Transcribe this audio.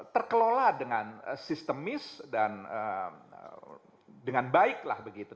terkelola dengan sistemis dan dengan baik lah begitu